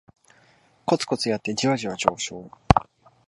コツコツやってジワジワ上昇